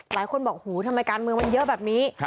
หลายคนบอกหูทำไมการเมืองมันเยอะแบบนี้